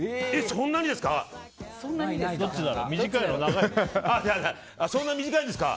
そんなに短いんですか。